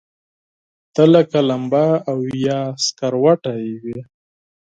ته لکه لمبه، اور يا سکروټه وې